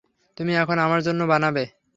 তুমি এখন আমার জন্য বানাবে!